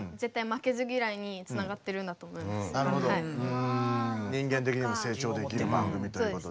うん人間的にもせい長できる番組ということで。